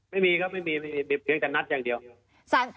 ไม่มีครับไม่มีไม่มีเพียงแต่นัดอย่างเดียว